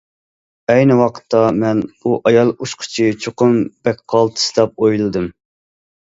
ئەينى ۋاقىتتا مەن: بۇ ئايال ئۇچقۇچى چوقۇم بەك قالتىس، دەپ ئويلىدىم.